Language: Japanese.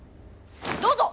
どうぞ！